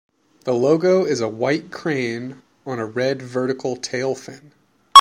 The logo is a white crane on a red vertical tail fin.